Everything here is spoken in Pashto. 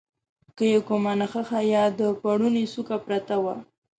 که یې کومه نخښه یا د پوړني څوکه پرته وه.